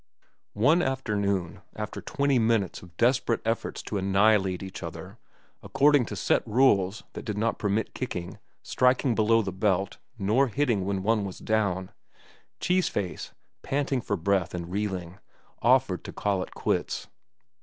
One afternoon, after twenty minutes of desperate efforts to annihilate each other according to set rules that did not permit kicking, striking below the belt, nor hitting when one was down, Cheese Face, panting for breath and reeling, offered to call it quits.